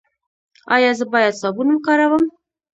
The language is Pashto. ایا زه باید صابون وکاروم؟